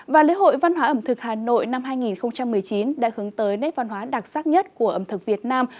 và lễ hội văn hóa ẩm thực hà nội năm hai nghìn một mươi chín đã hướng tới nét văn hóa đặc sắc nhất của ẩm thực việt nam